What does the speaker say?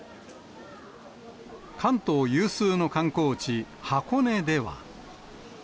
関東有数の観光地、箱根では。